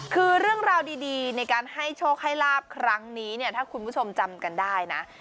คือเรื่องราวดีในการให้โชคให้ลาบครั้งนี้เนี่ยถ้าคุณผู้ชมจำกันได้นะ